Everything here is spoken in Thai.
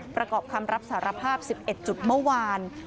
ประกอบคำรับสารภาพ๑๑จุดเมื่อวาน